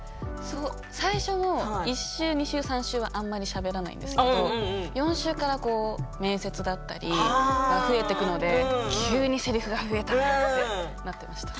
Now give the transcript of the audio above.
最初の１週、２週、３週はあまりしゃべらないんですけど４週から面接だったりが増えてくるので急にせりふが増えたってなっていました。